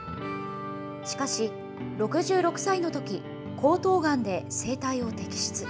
しかし、６６歳のとき、喉頭がんで声帯を摘出。